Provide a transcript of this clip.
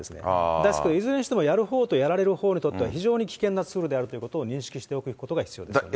ですから、いずれにしてもやるほうとやられるほうと非常に危険なツールであるということを認識しておく必要があります。